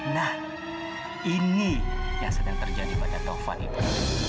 nah ini yang sedang terjadi pada taufan itu